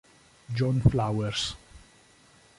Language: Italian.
John Flowers